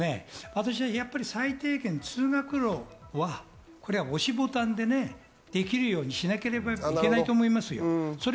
最低限、通学路は押しボタンでできるようにしなければいけないと思います。